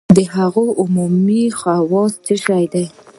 د هغو عمومي خواص څه شی دي؟